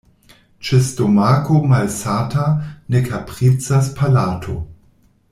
Ĉe stomako malsata ne kapricas palato.